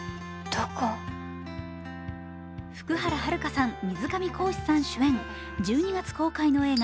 福原遥さん、水上恒司さん主演、１２月公開の映画